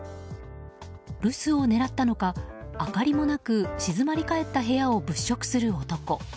留守を狙ったのか明かりもなく静まり返った部屋を物色する男。